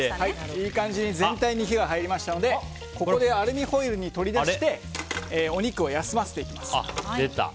いい感じに全体に火が入りましたのでここでアルミホイルに取り出してお肉を休ませていきます。